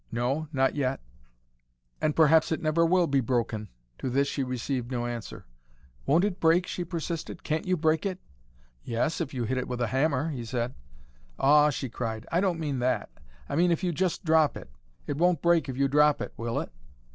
"No, not yet." "And perhaps it never will be broken." To this she received no answer. "Won't it break?" she persisted. "Can't you break it?" "Yes, if you hit it with a hammer," he said. "Aw!" she cried. "I don't mean that. I mean if you just drop it. It won't break if you drop it, will it?"